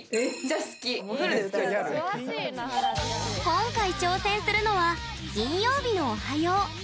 今回、挑戦するのは「金曜日のおはよう」。